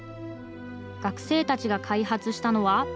学生たちが開発したのは。